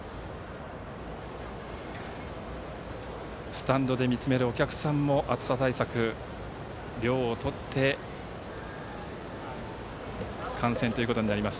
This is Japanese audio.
スタンドで見つめるお客さんも暑さ対策、涼をとっての観戦となります。